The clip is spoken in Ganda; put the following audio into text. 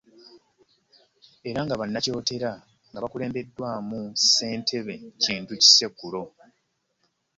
Era nga bannakyotera nga bakulembeddwamu ssentebe Kintu Kisekulo